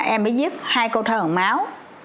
em ấy giết hai câu thơ hằng máu